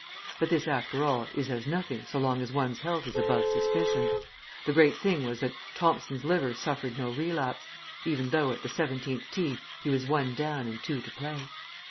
But this, after all, is as nothing so long as one's health is above suspicion. The great thing was that Thomson's liver suffered no relapse; even though, at the seventeenth tee, he was one down and two to play.